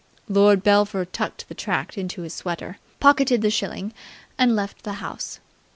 Lord Belpher tucked the tract into his sweater, pocketed the shilling, and left the house.